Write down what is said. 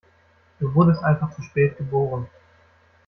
Du wurdest einfach zu spät geboren.